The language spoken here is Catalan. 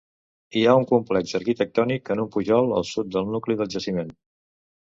Hi ha un complex arquitectònic en un pujol al sud del nucli del jaciment.